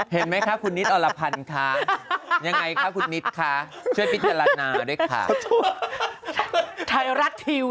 เห็นไหมโทษ